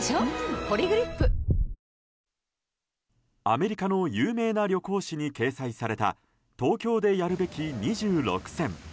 アメリカの有名な旅行誌に掲載された東京でやるべき２６選。